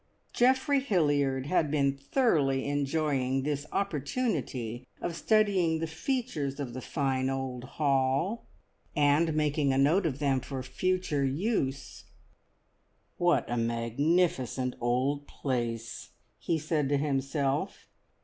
Geoffrey Hilliard had been thoroughly enjoying this opportunity of studying the features of the fine old hall, and making a note of them for future use. "What a magnificent old place!" he said to himself.